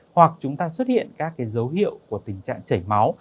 hoặc chúng ta xuất hiện các dấu hiệu của tình trạng chảy máu